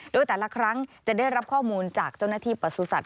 โดยแต่ละครั้งจะได้รับข้อมูลจากเจ้าหน้าที่ประสุทธิ